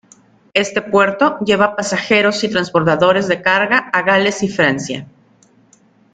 Este puerto lleva pasajeros y transbordadores de carga a Gales y Francia.